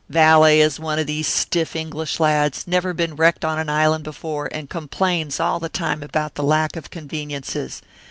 valet is one of these stiff English lads, never been wrecked on an island before and complains all the time about the lack of conveniences.